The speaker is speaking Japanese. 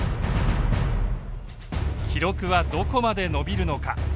記録はどこまで伸びるのか。